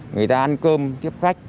người ta ăn cơm tiếp khách